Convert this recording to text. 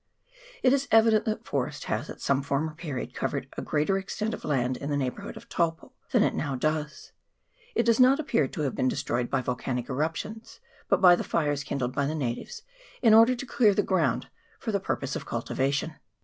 It is evident that forest has at some former period covered a greater extent of land in the neighbourhood of Taupo than it now does ; it does not appear to have been destroyed by volcanic erup tions, but by the fires kindled by the natives in order to clear the ground for the purpose of cul tivation.